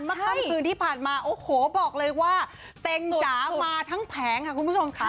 ค่ำคืนที่ผ่านมาโอ้โหบอกเลยว่าเต็งจ๋ามาทั้งแผงค่ะคุณผู้ชมค่ะ